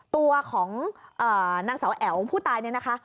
ตัวของนางสาวแอ๋วผู้ตายเนี่ยนะคะ